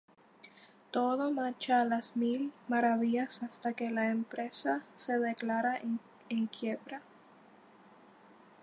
Todo marcha a las mil maravillas hasta que la empresa se declara en quiebra.